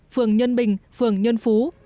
phường nhân bình phường nhân phú